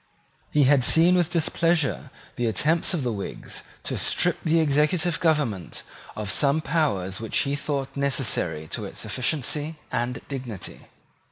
He had seen with displeasure the attempts of the Whigs to strip the executive government of some powers which he thought necessary to its efficiency and dignity.